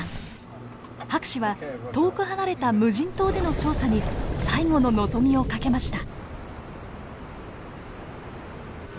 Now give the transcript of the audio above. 博士は遠く離れた無人島での調査に最後の望みを懸けました。